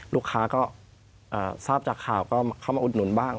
ลูกค้าก็ทราบจากข่าวก็เข้ามาอุดหนุนบ้าง